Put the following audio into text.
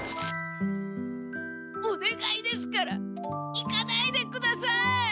おねがいですから行かないでください！